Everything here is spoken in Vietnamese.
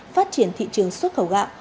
phát triển thị trường xuất khẩu gạo